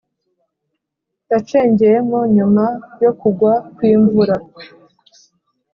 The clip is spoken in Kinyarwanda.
yacengeyemo nyuma yo kugwakw’imvura